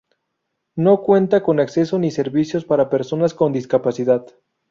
No cuenta con acceso ni servicios para personas con discapacidad.